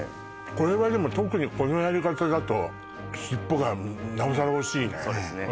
これはでも特にこのやり方だとしっぽがなおさらおいしいね